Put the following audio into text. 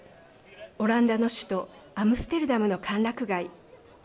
オランダの首都アムステルダムの歓楽街。